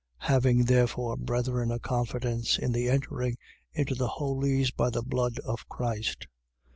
Having therefore, brethren, a confidence in the entering into the holies by the blood of Christ: 10:20.